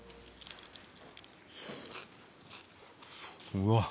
うわっ！